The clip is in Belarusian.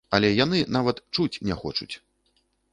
Але яны нават чуць не хочуць!